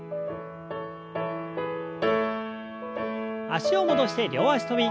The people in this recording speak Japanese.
脚を戻して両脚跳び。